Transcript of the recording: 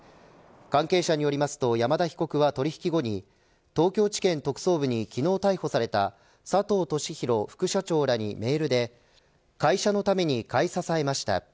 関係者によりますと山田被告は取引後に東京地検特捜部に昨日逮捕された佐藤俊弘副社長らにメールで会社のために買い支えました。